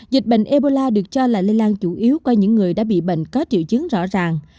dịch bệnh ebola được cho là lây lan chủ yếu qua những người đã bị bệnh có triệu chứng rõ ràng